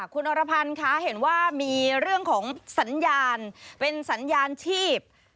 คุณอรพันธ์คะเห็นว่ามีเรื่องของสัญญาณเป็นสัญญาณชีพ